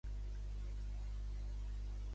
Vegeu Duat i Aaru.